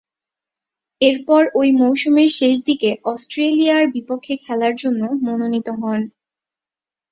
এরপর ঐ মৌসুমের শেষদিকে অস্ট্রেলিয়ার বিপক্ষে খেলার জন্য মনোনীত হন।